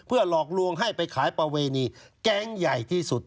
หลอกลวงให้ไปขายประเวณีแก๊งใหญ่ที่สุด